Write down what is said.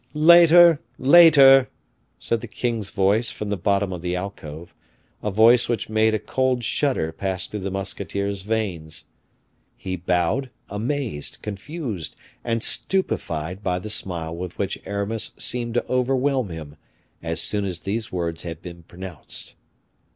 "Later, later," said the king's voice, from the bottom of the alcove; a voice which made a cold shudder pass through the musketeer's veins. He bowed, amazed, confused, and stupefied by the smile with which Aramis seemed to overwhelm him, as soon as these words had been pronounced.